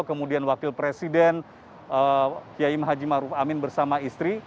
kemudian wakil presiden kiai haji maruf amin bersama istri